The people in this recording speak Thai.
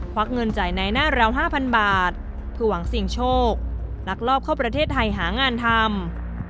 วักเงินจ่ายในหน้าเรา๕๐๐บาทเพื่อหวังเสี่ยงโชคลักลอบเข้าประเทศไทยหางานทำ